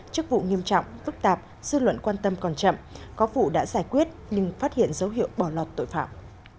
chức vụ nghiêm trọng phức tạp dư luận quan tâm còn chậm có vụ đã giải quyết nhưng phát hiện dấu hiệu bỏ lọt tội phạm